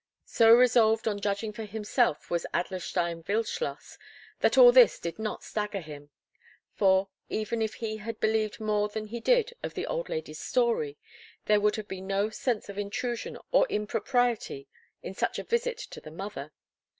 So resolved on judging for himself was Adlerstein Wildschloss that all this did not stagger him; for, even if he had believed more than he did of the old lady's story, there would have been no sense of intrusion or impropriety in such a visit to the mother.